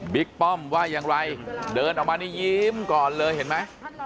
ป้อมว่าอย่างไรเดินออกมานี่ยิ้มก่อนเลยเห็นไหม